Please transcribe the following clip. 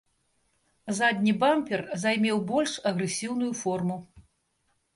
Задні бампер займеў больш агрэсіўную форму.